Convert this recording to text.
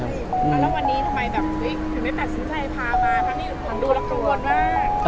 แล้ววันนี้ทำไมแบบเห็นไหมแปดสุดท้ายพามาครับทางดูแล้วข้างบนมาก